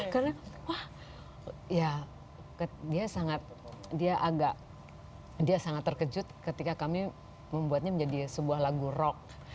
karena wah ya dia sangat dia agak dia sangat terkejut ketika kami membuatnya menjadi sebuah lagu rock